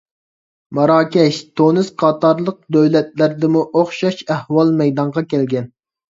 ماراكەش، تۇنىس قاتارلىق دۆلەتلەردىمۇ ئوخشاش ئەھۋال مەيدانغا كەلگەن.